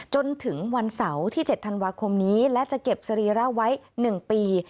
จนถึงวันเสาร์ที่๗ธันวาคมนี้และจะเก็บสรีระไว้๑ปี